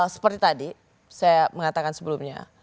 seperti tadi saya mengatakan sebelumnya